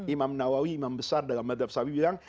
imam nawawi imam besar dalam madhab sawi bilang